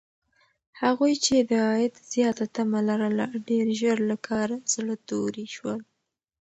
هغوی چې د عاید زیاته تمه لرله، ډېر ژر له کاره زړه توري شول.